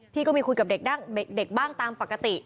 ก็มีคุยกับเด็กบ้างตามปกติ